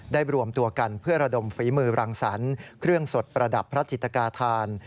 รวมตัวกันเพื่อระดมฝีมือรังสรรค์เครื่องสดประดับพระจิตกาธาน